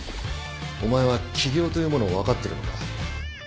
お前は起業というものを分かってるのか？